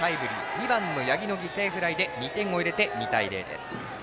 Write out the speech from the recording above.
２番の八木の犠牲フライで２点を入れて、２対０です。